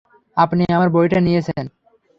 আপনি আমার বইটা নিয়েছেন।